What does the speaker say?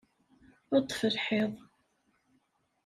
Ṭṭef lḥiḍ!